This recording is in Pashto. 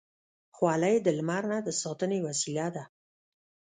خولۍ د لمر نه د ساتنې وسیله ده.